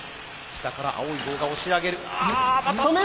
下から青い棒が押し上げる。